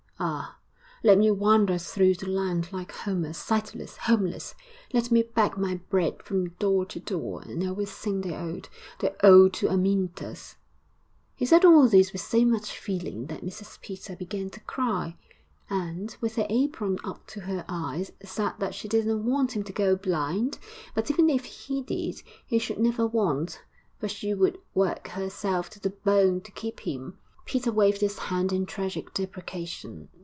Ah! let me wander through the land like Homer, sightless, homeless; let me beg my bread from door to door, and I will sing the ode, the ode to Amyntas.' ... He said all this with so much feeling that Mrs Peter began to cry, and, with her apron up to her eyes, said that she didn't want him to go blind; but even if he did, he should never want, for she would work herself to the bone to keep him. Peter waved his hand in tragic deprecation.